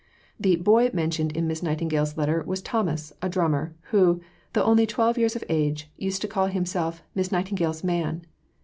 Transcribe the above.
The "boy" mentioned in Miss Nightingale's letter was Thomas, a drummer, who, though only twelve years of age, used to call himself "Miss Nightingale's Man."